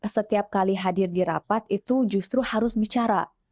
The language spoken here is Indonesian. setiap kali hadir di rapat itu justru harus bicara